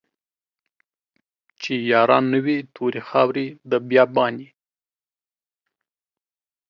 چې ياران نه وي توري خاوري د بيا بان يې